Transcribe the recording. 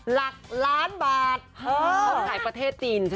หลักล้านบาทเขาขายประเทศจีนใช่ไหม